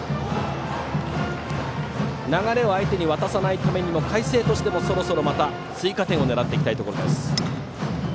流れを相手に渡さないためにも海星としても、そろそろ追加点を狙っていきたいです。